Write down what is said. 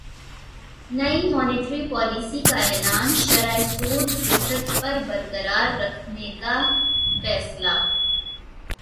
نئی monetary policy کا اعلان شرح سود فیصد پر برقرار رکھنے کا فیصلہ